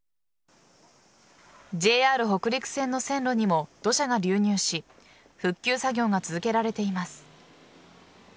ＪＲ北陸線の線路にも土砂が流入し復旧作業が続けられています。